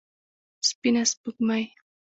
سپينه سپوږمۍ